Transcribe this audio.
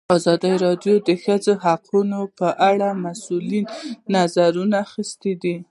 ازادي راډیو د د ښځو حقونه په اړه د مسؤلینو نظرونه اخیستي.